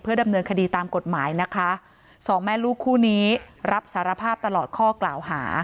ดำเนินคดีตามกฎหมายนะคะสองแม่ลูกคู่นี้รับสารภาพตลอดข้อกล่าวหา